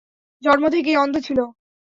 জন্ম থেকেই অন্ধ ছিল।